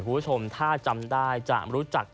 คุณผู้ชมถ้าจำได้จะรู้จัก